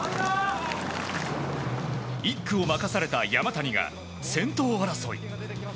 １区を任された山谷が先頭争い。